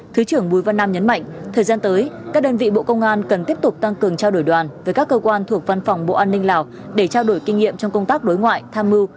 thứ trưởng bùi văn nam nhấn mạnh thời gian tới các đơn vị bộ công an cần tiếp tục tăng cường trao đổi đoàn với các cơ quan thuộc văn phòng bộ an ninh lào để trao đổi kinh nghiệm trong công tác đối ngoại tham mưu